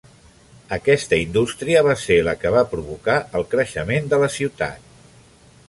Aquesta indústria va ser la que va provocar el creixement de la ciutat.